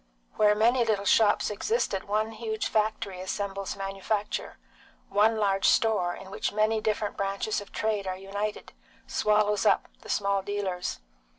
Where many little shops existed one huge factory assembles manufacture; one large store, in which many different branches of trade are united, swallows up the small dealers.